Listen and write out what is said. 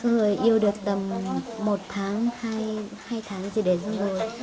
rồi yêu được tầm một tháng hai tháng gì đến rồi